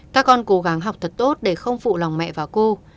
các con cố gắng học thật tốt để không phụ lòng mẹ và cô